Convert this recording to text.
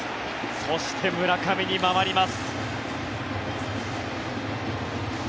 そして、村上に回ります。